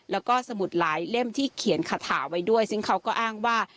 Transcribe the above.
แล้วก็สมุดหลายเล่มที่เขียนคาถาไว้ด้วยซึ่งเขาก็อ้างว่า